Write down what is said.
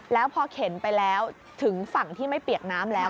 แล้วพอเข็นไปแล้วถึงฝั่งที่ไม่เปียกน้ำแล้ว